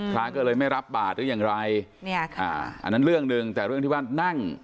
พระก็เลยไม่รับบาทหรือยังไรเนี่ยค่ะอันนั้นเรื่องหนึ่งแต่เรื่องที่ว่านั่ง